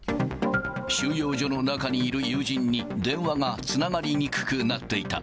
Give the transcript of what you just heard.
収容所の中にいる友人に、電話がつながりにくくなっていた。